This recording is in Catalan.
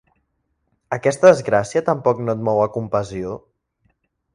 Aquesta desgràcia tampoc no et mou a compassió?